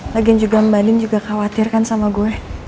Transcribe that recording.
lagian juga mbak din juga khawatir kan sama gue